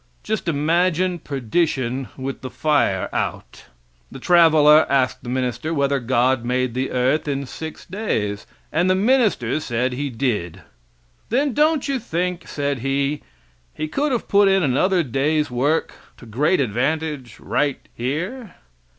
Just imagine perdition with the fire out. The traveler asked the minister whether God made the earth in six days, and the minister said he did. Then don't you think, said he, He could have put in another day's work to great advantage right here?